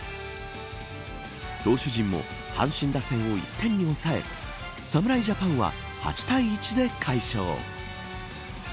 投手陣も阪神打線を１点に抑え侍ジャパンは８対１で快勝。